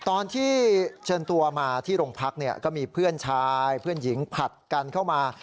ตอนที่เชิญตัวมาที่โรงพักเนี่ยก็มีเพื่อนชายเพื่อนหญิงผัดกันเข้ามา